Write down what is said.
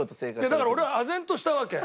だから俺はあぜんとしたわけ。